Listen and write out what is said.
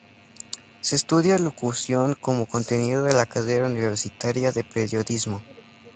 Se estudia locución como contenido de la carrera universitaria de Periodismo.